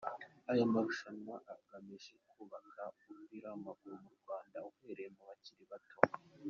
Aya marushanwa agamije kubaka umupira w'amaguru mu Rwanda uhereye mu bakiri bato.